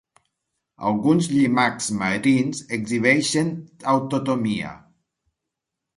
Alguns llimacs marins exhibeixen autotomia.